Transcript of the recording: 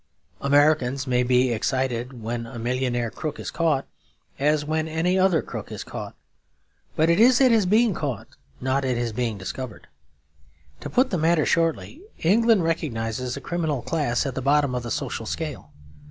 Americans may be excited when a millionaire crook is caught, as when any other crook is caught; but it is at his being caught, not at his being discovered. To put the matter shortly, England recognises a criminal class at the bottom of the social scale.